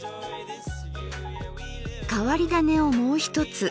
変わり種をもうひとつ。